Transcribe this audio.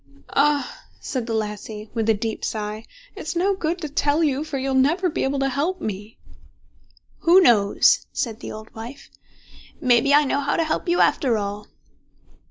"Ah!" said the lassie, with a deep sigh, "it's no good to tell you, for you'll never be able to help me." "Who knows?" said the old wife. "May be I know how to help you after all."